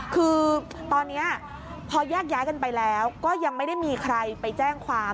คือตอนนี้พอแยกย้ายกันไปแล้วก็ยังไม่ได้มีใครไปแจ้งความ